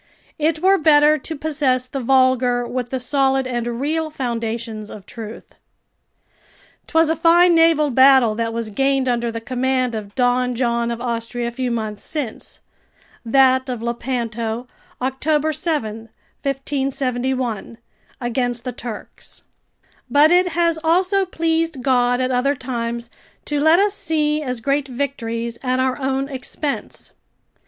It were better to possess the vulgar with the solid and real foundations of truth. 'Twas a fine naval battle that was gained under the command of Don John of Austria a few months since [That of Lepanto, October 7, 1571.] against the Turks; but it has also pleased God at other times to let us see as great victories at our own expense.